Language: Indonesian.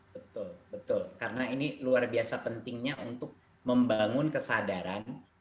betul betul karena ini luar biasa pentingnya untuk membangun kesadaran